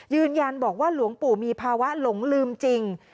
ยืนยันบอกว่าหลวงปู่มีภาวะหลงลืมจริง